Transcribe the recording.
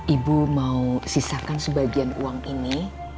ibu mau sisakan sebagian uang ini